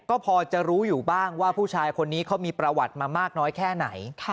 ก็พอจะรู้อยู่บ้างว่าผู้ชายคนนี้เขามีประวัติมามากน้อยแค่ไหน